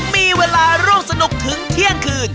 มีเวลาร่วมสนุกถึงเที่ยงคืน